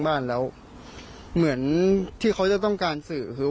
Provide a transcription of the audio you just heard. ไม่อยากให้แม่เป็นอะไรไปแล้วนอนร้องไห้แท่ทุกคืน